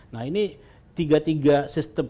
nah ini tiga tiga sistem